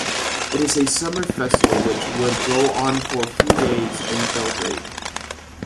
It is a summer festival which would go on for few days in Belgrade.